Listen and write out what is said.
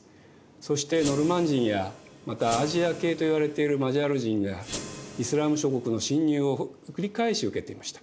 そしてノルマン人やまたアジア系といわれているマジャール人イスラーム諸国の侵入を繰り返し受けていました。